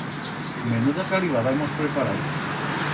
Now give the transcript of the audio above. Menuda calivada hemos preparau!